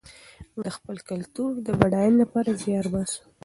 موږ د خپل کلتور د بډاینې لپاره زیار باسو.